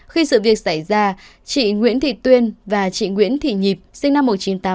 khi sự việc xảy ra chị nguyễn thị tuyên và chị nguyễn thị nhịp sinh năm một nghìn chín trăm tám mươi